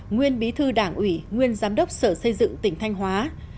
nguyên bí thư đảng ủy nguyên giám đốc sở xây dựng tỉnh thanh hóa